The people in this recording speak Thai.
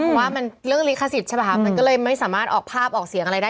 เพราะว่ามันเรื่องลิขสิทธิ์ใช่ป่ะมันก็เลยไม่สามารถออกภาพออกเสียงอะไรได้